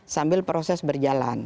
sambil proses berjalan